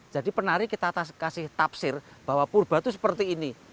jadi penari kita kasih tapsir bahwa purba itu seperti ini